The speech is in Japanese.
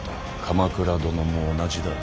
鎌倉殿も同じだ。